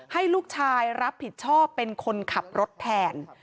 ให้ลูกชายรับผิดชอบเป็นคนขับรถแทน